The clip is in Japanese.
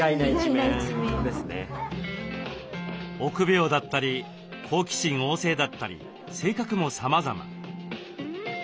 臆病だったり好奇心旺盛だったり性格もさまざま。